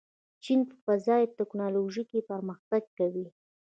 چین په فضايي تکنالوژۍ کې پرمختګ کوي.